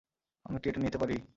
আমি কি এটা নিতে পারি?